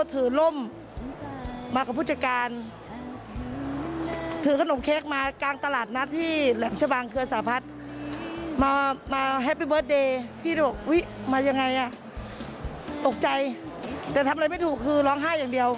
ตกใจแต่ทำอะไรไม่ถูกคือร้องไห้อย่างเดียว